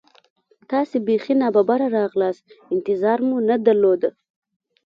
تاسې بیخي نا ببره راغلاست، انتظار مو نه درلود.